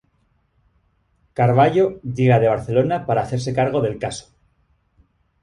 Carvalho llega de Barcelona para hacerse cargo del caso.